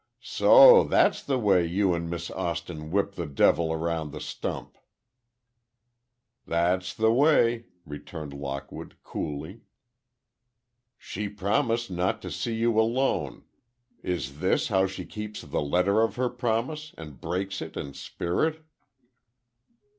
"So that's the way you and Miss Austin whip the devil around the stump!" "That's the way," returned Lockwood, coolly. "She promised not to see you alone—is this how she keeps the letter of her promise and breaks it in spirit?"